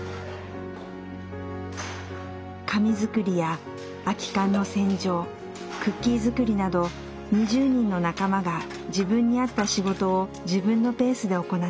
紙作りや空き缶の洗浄クッキー作りなど２０人の仲間が自分に合った仕事を自分のペースで行っています。